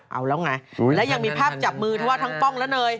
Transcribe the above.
เอาแล้วไงและยังมีภาพจับมือที่ว่าทั้งป้องและเนย